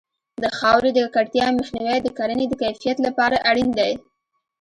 د خاورې د ککړتیا مخنیوی د کرنې د کیفیت لپاره اړین دی.